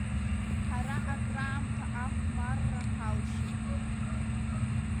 Ҳара акраамҭа ахәмарра ҳалшеит.